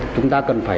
chúng ta cần phải